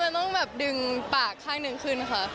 ต้องแบบดึงปากข้างหนึ่งขึ้นค่ะ